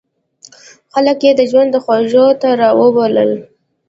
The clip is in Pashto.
خلک یې د ژوند خوږو ته را وبلل.